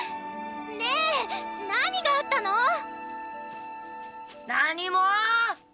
ねえ何があったの⁉何も！